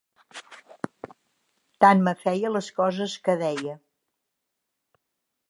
Tant me feia les coses que deia.